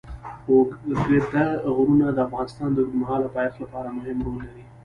اوږده غرونه د افغانستان د اوږدمهاله پایښت لپاره مهم رول لري.